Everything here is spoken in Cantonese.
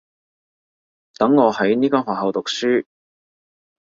等我喺呢間學校讀書